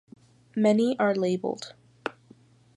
Many are labeled.